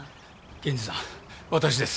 検事さん私です。